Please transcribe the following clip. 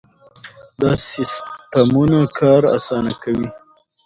دا سیستمونه کار اسانه کوي.